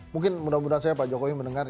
mungkin mudah mudahan saya pak jokowi menurut saya